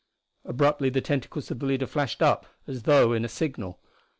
Abruptly the tentacles of the leader flashed up as though in a signal.